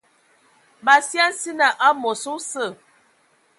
Ma sye a nsina amos osə.